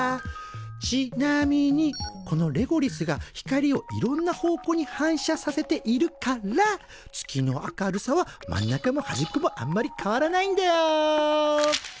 ちなみにこのレゴリスが光をいろんな方向に反射させているから月の明るさは真ん中もはじっこもあんまり変わらないんだよ。